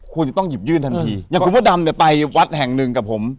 ควรจะต้องหยิบยื่นทันทีอย่างคุณพระดำเนี่ยไปวัดแห่งหนึ่งกับผม